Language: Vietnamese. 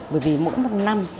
bởi vì mỗi năm